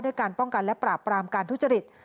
การป้องกันและปราบปรามการทุจริต